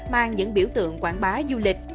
mang những biểu tượng quảng bá du lịch